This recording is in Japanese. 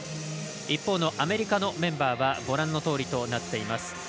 一方のアメリカのメンバーはご覧のとおりとなっています。